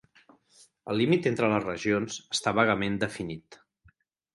El límit entre les regions està vagament definit.